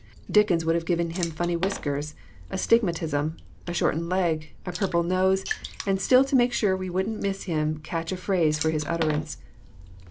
Dickens would have given him funny whiskers, astigmatism, a shortened leg, a purple nose, and still to make sure we wouldn't mistake him a catch phrase for his utterance.